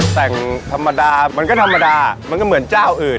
แต่งธรรมดามันก็ธรรมดามันก็เหมือนเจ้าอื่น